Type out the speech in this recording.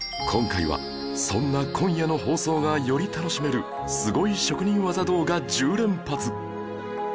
今回はそんな今夜の放送がより楽しめるすごい職人技動画１０連発